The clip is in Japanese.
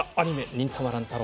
「忍たま乱太郎」